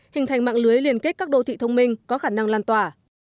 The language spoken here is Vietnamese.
hình thành mạng lưới liên kết các đô thị thông minh có khả năng lan tỏa